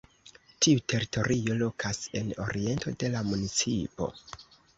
Tiu teritorio lokas en oriento de la municipo.